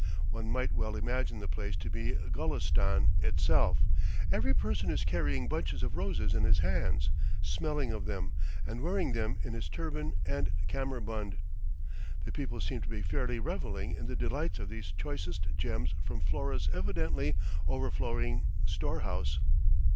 One might well imagine the place to be Gulistan itself; every person is carrying bunches of roses in his hands, smelling of them, and wearing them in his turban and kammerbund. The people seem to be fairly revelling in the delights of these choicest gems from Flora's evidently overflowing storehouse.